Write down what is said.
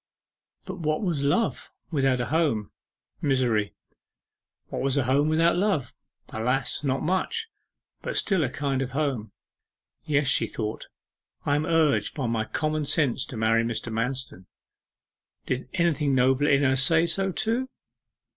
But what was love without a home? Misery. What was a home without love? Alas, not much; but still a kind of home. 'Yes,' she thought, 'I am urged by my common sense to marry Mr. Manston.' Did anything nobler in her say so too?